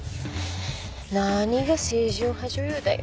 何が清純派女優だよ。